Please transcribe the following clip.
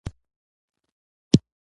بوډا جمعه خان له کراول سره جوړه وه.